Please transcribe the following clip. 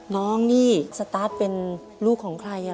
น้องนี่สตาร์ทเป็นลูกของใคร